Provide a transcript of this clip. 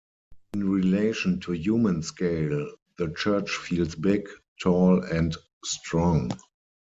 In relation to human scale, the church feels big, tall, and strong.